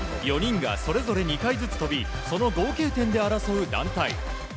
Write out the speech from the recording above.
４人がそれぞれ２回ずつ飛びその合計点で争う団体。